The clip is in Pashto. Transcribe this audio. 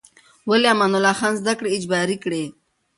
ولې امان الله خان زده کړې اجباري کړې؟